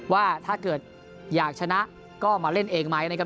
ว่าถ้าเกิดอยากชนะก็มาเล่นเองไหมนะครับ